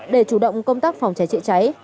để chủ động công tác phòng chạy chạy cháy